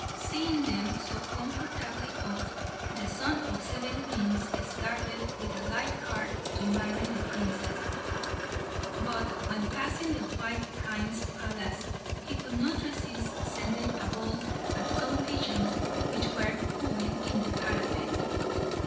Seeing them so comfortably off, the son of seven Queens started with a light heart to marry the Princess; but when passing the white hind's palace he could not resist sending a bolt at some pigeons which were cooing on the parapet.